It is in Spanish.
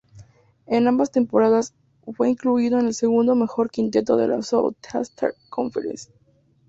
En ambas temporadas fue incluido en el segundo mejor quinteto de la Southeastern Conference.